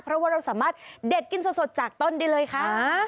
เพราะว่าเราสามารถเด็ดกินสดจากต้นได้เลยค่ะ